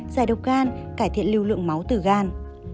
giải độc gan cải thiện lưu lượng máu từ gan